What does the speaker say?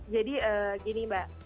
jadi gini mbak